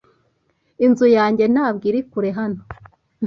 Inzu yanjye ntabwo iri kure hano.